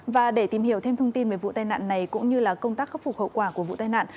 và để tìm hiểu thêm thông tin về vụ tai nạn này cũng như công tác khắc phục hậu quả của vụ tai nạn